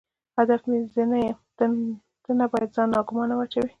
هدف مې زه نه یم، ته نه باید ځان ناګومانه واچوې.